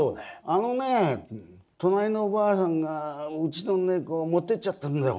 「あのね隣のおばあさんがうちの猫を持ってっちゃったんだよ」。